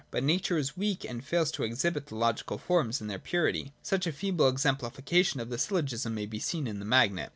But Nature Is weak and fails to exhibit the logical forms in their purity. Such a feeble exemplification of the syllogism may be seen in the magnet.